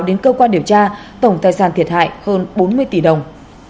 đến cơ quan điều tra tổng tài sản thiệt hại hơn bốn mươi tỷ đồng